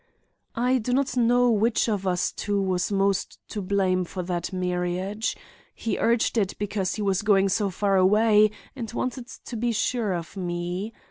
"I do not know which of us two was most to blame for that marriage. He urged it because he was going so far away and wanted to be sure of me.